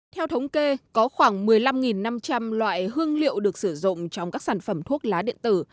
theo thống kê có khoảng một mươi năm năm trăm linh loại hương liệu được sử dụng trong các sản phẩm thuốc lá điện tử